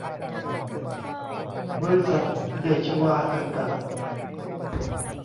บริษัท เดชวา จำกัด